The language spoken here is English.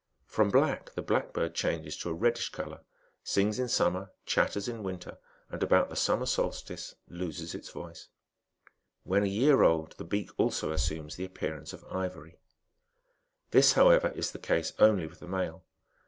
Erom black, the blackbird changes to a red ish colour, sings in summer, chatters in winter, and about he summer solstice loses its voice ; when a year old, the beak Iso assumes the appearance of ivory ; this, however, is the case nly with the male.